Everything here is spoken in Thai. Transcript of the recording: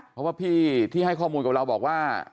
เพราะว่าพี่ที่ให้ข้อมูลกับเราบอกว่า